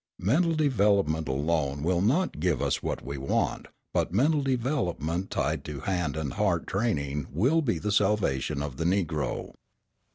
Mental development alone will not give us what we want, but mental development tied to hand and heart training will be the salvation of the Negro.